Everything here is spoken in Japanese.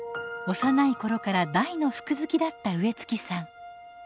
幼い頃から大の服好きだった植月さん。